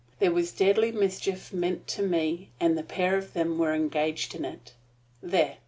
There was deadly mischief meant to me; and the pair of them were engaged in it. There!